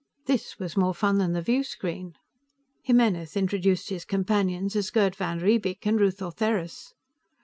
This was more fun than the viewscreen. Jimenez introduced his companions as Gerd van Riebeek and Ruth Ortheris.